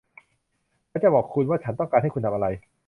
ฉันจะบอกคุณว่าฉันต้องการให้คุณทำอะไร